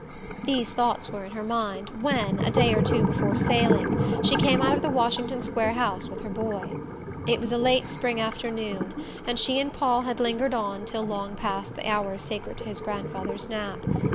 These thoughts were in her mind when, a day or two before sailing, she came out of the Washington Square house with her boy. It was a late spring afternoon, and she and Paul had lingered on till long past the hour sacred to his grandfather's nap.